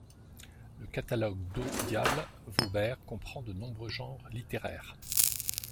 Le catalogue d'Au diable vauvert comprend de nombreux genres littéraires.